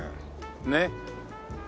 ねっ。